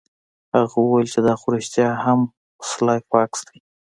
هغه وویل چې دا خو رښتیا هم سلای فاکس دی